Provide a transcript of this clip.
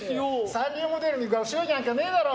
三流モデルにご祝儀なんかねえだろ。